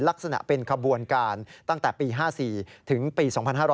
ลักษณะเป็นขบวนการตั้งแต่ปี๕๔ถึงปี๒๕๕๙